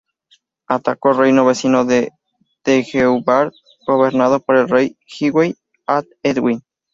Atacó el reino vecino de Deheubarth, gobernado por el rey Hywel ab Edwin.